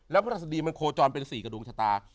แล้วภรรษดีมันโคจรเป็นสี่กระดวงชะตา